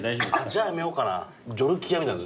じゃあやめようかな。